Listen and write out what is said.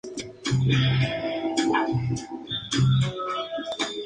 La expresividad fue siempre su punto fuerte.